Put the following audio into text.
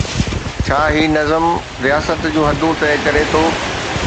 ڇا هي نظم رياست جون حدون طئي ڪري ٿو؟